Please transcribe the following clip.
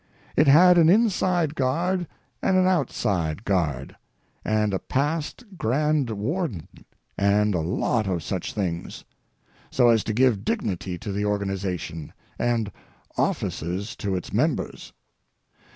It had an inside guard and an outside guard, and a past grand warden, and a lot of such things, so as to give dignity to the organization and offices to the members.